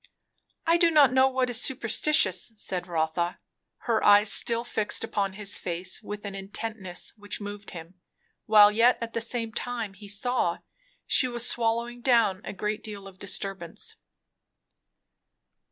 "I do not know what is superstitious," said Rotha, her eyes still fixed upon his face with an intentness which moved him, while yet at the same time, he saw, she was swallowing down a great deal of disturbance.